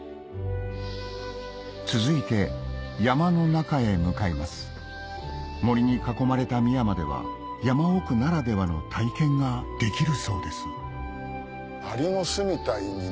続いて山の中へ向かいます森に囲まれた美山では山奥ならではの体験ができるそうです